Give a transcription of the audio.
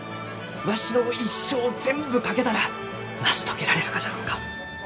わしの一生を全部懸けたら成し遂げられるがじゃろうか？